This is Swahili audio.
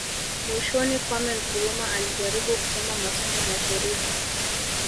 Mwishoni Kwame Nkrumah alijaribu kusoma masomo ya sheria